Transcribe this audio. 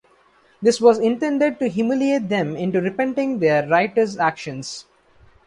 This was intended to humiliate them into "repenting" their "riotous" actions.